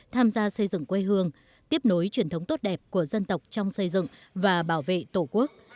tham gia xây dựng quê hương tiếp nối truyền thống tốt đẹp của dân tộc trong xây dựng và bảo vệ tổ quốc